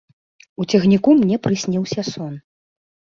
У цягніку мне прысніўся сон.